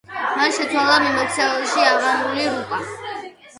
მან შეცვალა მიმოქცევაში ავღანური რუპია.